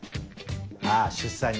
あっ出産に。